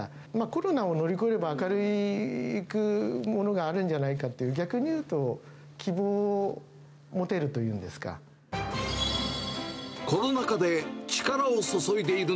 コロナを乗り越えれば明るいものがあるんじゃないかっていう、逆に言うと、コロナ禍で、力を注いでいる